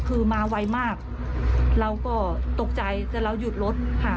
คือมาไวมากเราก็ตกใจแต่เราหยุดรถค่ะ